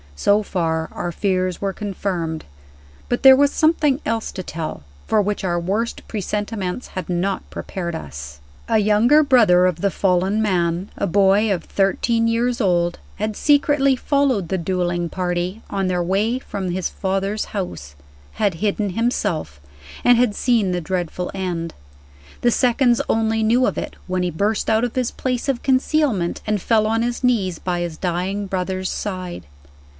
So far, our fears were confirmed. But there was something else to tell, for which our worst presentiments had not prepared us. A younger brother of the fallen man (a boy of thirteen years old) had secretly followed the dueling party, on their way from his father's house had hidden himself and had seen the dreadful end. The seconds only knew of it when he burst out of his place of concealment, and fell on his knees by his dying brother's side.